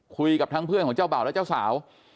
คุยกับทั้งเพื่อนของเจ้าบ่าวและเจ้าสาว